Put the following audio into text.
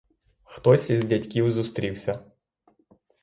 Хтось із дядьків зустрівся.